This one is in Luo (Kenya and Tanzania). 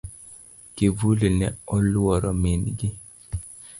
Kivuli ne oluoro min gi.